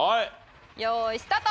用意スタート！